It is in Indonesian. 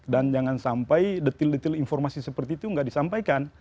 dan jangan sampai detil detil informasi seperti itu nggak disampaikan